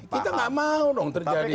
kita nggak mau dong terjadi yang kemudian